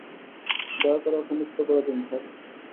দয়া করে, ওকে মুক্ত করে দিন, স্যার।